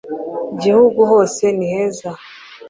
gihugu hose niheza